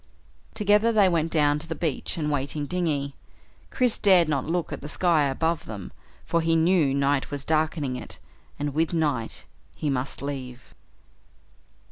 Together they went down to the beach and the waiting dinghy. Chris dared not look at the sky above them for he knew night was darkening it, and with the night he must leave.